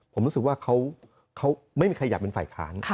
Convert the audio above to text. ผมรู้สึกว่าเขาไม่มีใครอยากเป็นฝ่ายค้าน